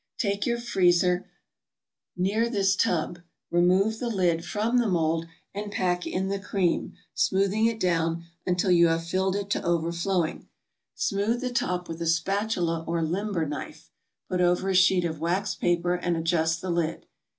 Take your freezer near this tub. Remove the lid from the mold, and pack in the cream, smoothing it down until you have filled it to overflowing. Smooth the top with a spatula or limber knife, put over a sheet of waxed paper and adjust the lid.